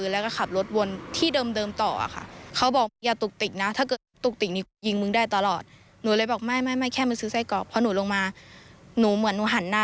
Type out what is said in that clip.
และอีกหนึ่งพี่สองคนผมซ่อนแห่ง